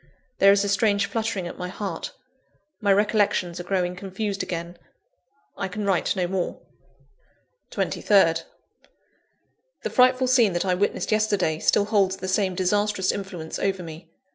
There is a strange fluttering at my heart; my recollections are growing confused again I can write no more. 23rd. The frightful scene that I witnessed yesterday still holds the same disastrous influence over me.